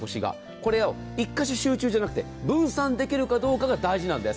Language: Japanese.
これを１か所集中じゃなくて分散できるかが大事なんです。